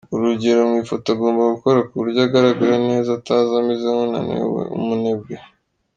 Urugero mu ifoto agomba gukora ku buryo agaragara neza ataza ameze nk’unaniwe, umunebwe.